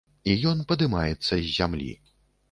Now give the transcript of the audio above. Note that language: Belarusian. І ён падымаецца з зямлі.